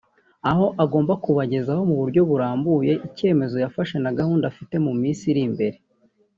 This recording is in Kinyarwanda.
aho agomba kubagezaho mu buryo burambuye icyemezo yafashe na gahunda afite mu minsi iri imbere